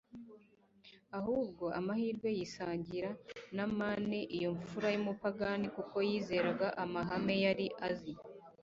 ahubwo amahirwe yisangira Namani, iyo mfura y'umupagani, kuko yizeraga amahame yari azi,